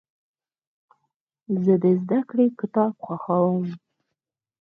زه د زدهکړې کتاب خوښوم.